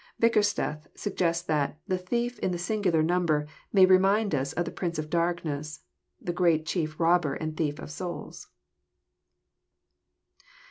Bickersteth suggests that << the thief in the singular number may remind us of the prince of darkness, the great chief robber and thief of souls."